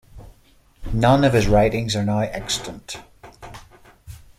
None of his writings are now extant.